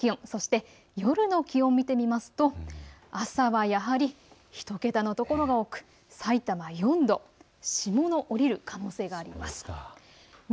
各地の最低気温、最高気温夜の気温を見てみますと朝はやはり１桁の所が多くさいたま４度、霜の降りる可能性があります。